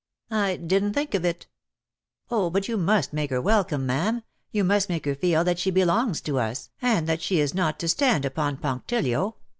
"I didn't think of it." "Oh, but you must make her welcome, ma'am, you must make her feel that she belongs to us, and that she is not to stand upon punctilio.